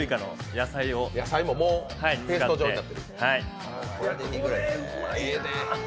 野菜もペースト状になってる。